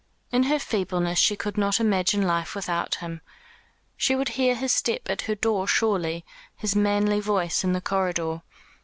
In her feebleness she could not imagine life without him. She would hear his step at her door surely, his manly voice in the corridor.